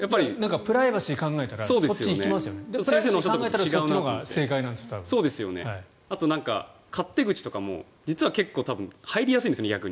プライバシーを考えたらそっちのほうがあと、勝手口とかも実は結構入りやすいんですね。